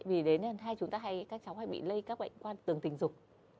vì thế nên hai chúng ta hay bị lây các bệnh quan tường tình dục